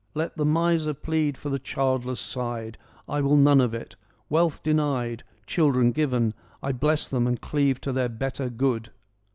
Let the miser plead for the childless side : I will none of it. Wealth denied, Children given, I bless them and cleave to the better good.'